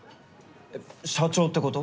えっ社長ってこと？